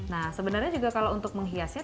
nah sebenarnya juga kalau untuk menghiasnya